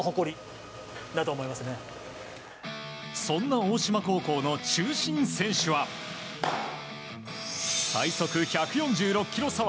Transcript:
そんな大島高校の中心選手は最速１４６キロ